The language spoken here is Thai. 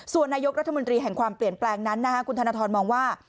ส่วนนายกรัฐมนตรีแห่งความเปลี่ยนแปลงนั้นคุณธนทรมองว่า